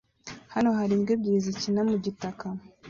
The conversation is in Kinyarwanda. Hano hari imbwa ebyiri zikina mu gitaka